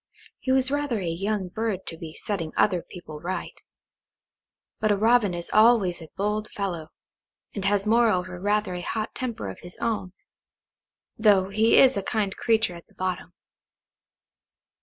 He was rather a young bird to be setting other people right; but a Robin is always a bold fellow, and has moreover rather a hot temper of his own, though he is a kind creature at the bottom.